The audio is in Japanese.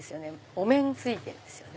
お面ついてるんですよね。